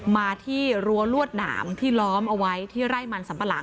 มาที่รั้วลวดหนามที่ล้อมเอาไว้ที่ไร่มันสัมปะหลัง